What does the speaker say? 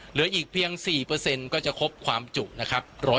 เหลืออีกเพียง๔ก็จะครบความจุนะครับ